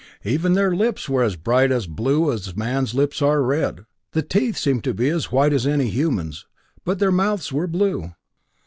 Even their lips were as bright a blue as man's lips are red. The teeth seemed to be as white as any human's, but their mouths were blue.